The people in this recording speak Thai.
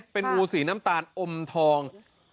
เป็นงูสีน้ำตาลอมทอง